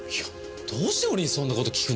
どうして俺にそんな事訊くの？